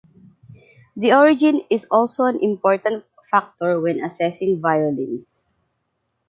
The origin is also an important factor when assessing violins.